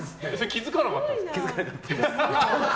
気づかなかったです。